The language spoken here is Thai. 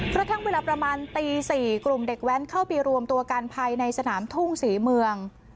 กระทั่งเวลาประมาณตี๔กลุ่มเด็กแว้นเข้าไปรวมตัวกันภายในสนามทุ่งศรีเมือง